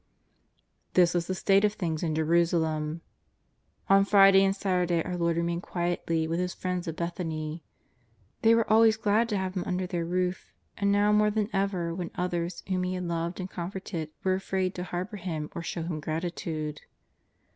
This was the state of things in Jerusalem. . On Friday and Saturday our Lord remained quietly with His friends at Bethany. They were always glad to have Him under their roof, and now more than ever when others whom He had loved and comforted were afraid to harbour Him or show Him gratitude.